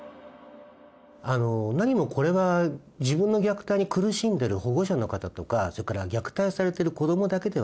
何もこれは自分の虐待に苦しんでる保護者の方とかそれから虐待されてる子どもだけではなくてですね